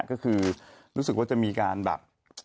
ก็คือรู้สึกว่าจะมีการแบบ